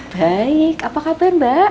baik apa kabar mbak